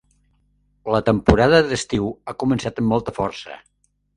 La temporada d'estiu ha començat amb molta força.